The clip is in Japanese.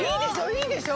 いいでしょ？